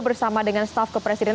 bersama dengan staf kepresiden